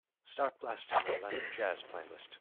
Start blasting my Latin Jazz playlist.